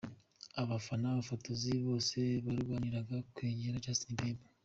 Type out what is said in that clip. Abafana, abafotozi bose barwaniraga kwegera Justin Bieber.